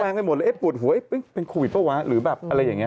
งไปหมดเลยเอ๊ะปวดหัวเป็นโควิดเปล่าวะหรือแบบอะไรอย่างนี้